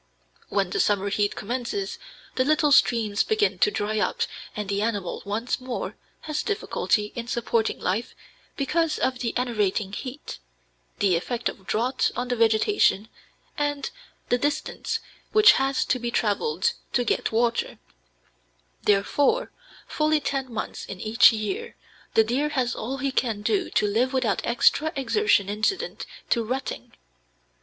When the summer heat commences the little streams begin to dry up, and the animal once more has difficulty in supporting life because of the enervating heat, the effect of drought on the vegetation, and the distance which has to be traveled to get water; therefore, fully ten months in each year the deer has all he can do to live without extra exertion incident to rutting.